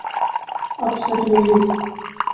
اب سچ وہی ہے